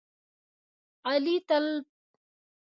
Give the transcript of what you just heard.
علي تل په غولو کې لرګي وهي، له وړې خبرې لویه لانجه جوړه کړي.